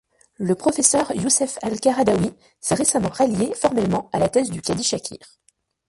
Le professeur Youssef al-Qaradâwî s’est récemment rallié formellement à la thèse du cadi Shakir.